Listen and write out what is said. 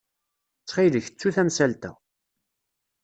Ttxil-k, ttu tamsalt-a.